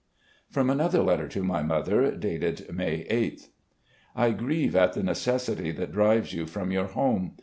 ..." From another letter to my mother, dated May 8th: "... I grieve at the necessity that drives you from your home.